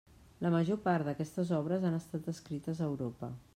La major part d'aquestes obres han estat escrites a Europa.